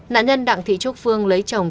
nạn nhân đặng thị trúc phương lấy chồng